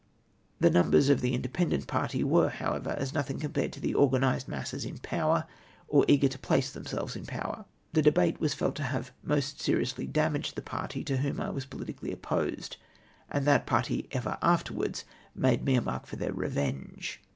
The numbers of the independent party were, however, as nothuig com pared to the organised masses in power, or eager to place themselves in power. The debate was felt to have most seriously damaged the party to whom I was politicaUy opposed, and that party ever afterwards made me a mark for their revenge.